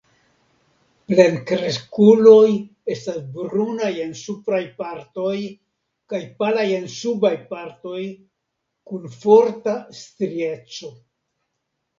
Plenkreskuloj estas brunaj en supraj partoj kaj palaj en subaj partoj, kun forta strieco.